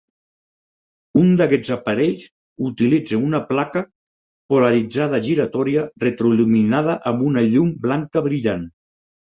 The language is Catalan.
Un d'aquests aparells utilitza una placa polaritzada giratòria retroil·luminada amb una llum blanca brillant.